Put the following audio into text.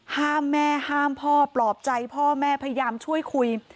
ห้ามแม่ห้ามพ่อปลอบใจพ่อแม่พยายามช่วยคุย